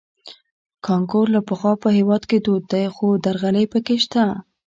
کانکور له پخوا په هېواد کې دود دی خو درغلۍ پکې شته